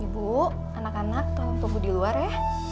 ibu anak anak tolong tumbuh di luar ya